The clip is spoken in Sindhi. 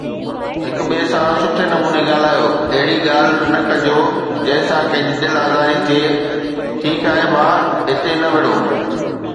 هڪ ٻئي سان سٺي نموني ڳالهايو، اهڙي ڳالهه نه ڪجو جنهن سان ڪنهن جي دل آزاري ٿئي، ٺيڪ آهي ڀاءُ هتي نه وڙهو.